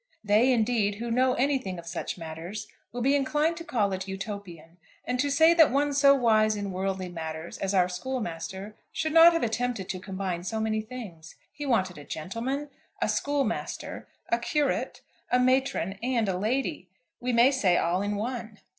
They indeed who know anything of such matters will be inclined to call it Utopian, and to say that one so wise in worldly matters as our schoolmaster should not have attempted to combine so many things. He wanted a gentleman, a schoolmaster, a curate, a matron, and a lady, we may say all in one.